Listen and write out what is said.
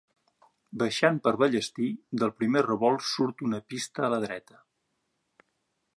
Baixant per Vallespir, del primer revolt surt una pista a la dreta.